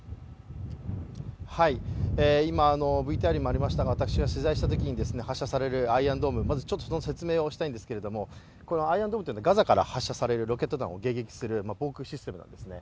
今、ＶＴＲにもありましたが私が取材したときに発射されるアイアンドームその説明をしたいんですけれどアイアンドームというのはガザから発射されるロケット弾を迎撃する防空システムなんですね。